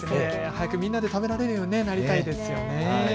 早くみんなで食べられるようになりたいですね。